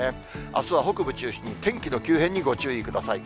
あすは北部中心に天気の急変にご注意ください。